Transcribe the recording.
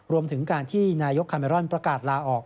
รวมถึงการที่นายกคาเมรอนประกาศลาออก